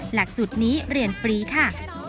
หลักสูตรนี้เรียนฟรีค่ะ